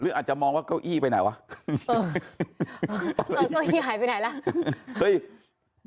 อาจจะมองว่าเก้าอี้ไปไหนวะเก้าอี้หายไปไหนล่ะเฮ้ย